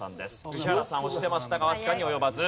宇治原さん押してましたがわずかに及ばず。